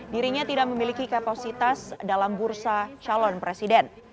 dirinya tidak memiliki kapasitas dalam bursa calon presiden